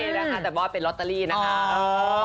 เนี่ยแต่บอกว่าเป็นลอตเตอรี่นะคะ